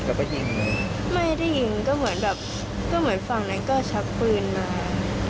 แล้วก็ยิงเลยไม่ได้ยิงก็เหมือนแบบก็เหมือนฝั่งนั้นก็ชักปืนมา